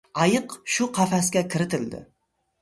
Ayiq shu qafasga kiritildi.